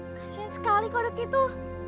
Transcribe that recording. kasian sekali kodok itu